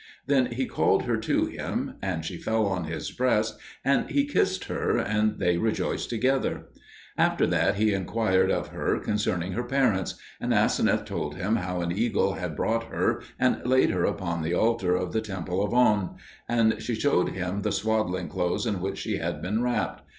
Then he called her to him, and she fell on his breast and he kissed her, and they rejoiced together. After that he inquired of her concerning her parents; and Aseneth told him how an eagle had brought her and laid her upon the altar of the temple of On; and she showed him the swaddling clothes in which she had been wrapped.